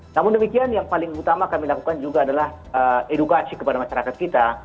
namun demikian yang paling utama kami lakukan juga adalah edukasi kepada masyarakat kita